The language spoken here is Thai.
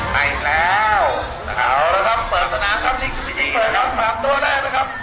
กลับใหม่แล้วเปิดสนามครับนิตยีนเปิดสนาม๓ตัวเลยครับ